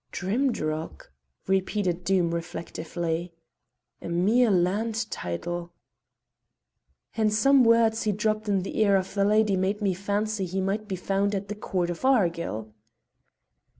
"Drimdarroch!" repeated Doom reflectively, "a mere land title." "And some words he dropped in the ear of the lady made me fancy he might be found about the Court of Argyll."